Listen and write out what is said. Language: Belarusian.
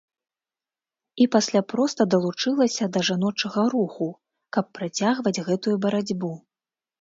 І пасля проста далучылася да жаночага руху, каб працягваць гэтую барацьбу.